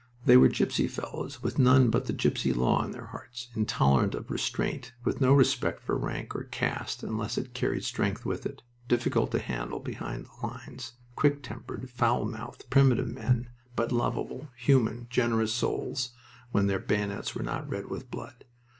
They were gipsy fellows, with none but the gipsy law in their hearts, intolerant of restraint, with no respect for rank or caste unless it carried strength with it, difficult to handle behind the lines, quick tempered, foul mouthed, primitive men, but lovable, human, generous souls when their bayonets were not red with blood.